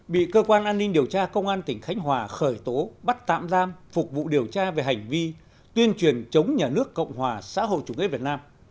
bị cơ quan an ninh điều tra công an tỉnh khánh hòa khởi tố bắt tạm giam phục vụ điều tra về hành vi tuyên truyền chống nhà nước cộng hòa xã hội chủ nghĩa việt nam